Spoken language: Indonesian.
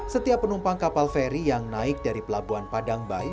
setiap penumpang kapal feri yang naik dari pelabuhan padang bayi